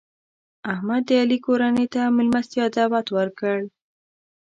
احمد د علي کورنۍ ته د مېلمستیا دعوت ورکړ.